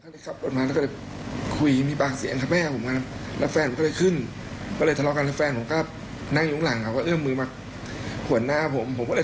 และส่วนที่ว่าตามเด็กผมให้ทำผมพักลูกผมออกไป